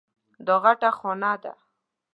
دا غټه خانه ده.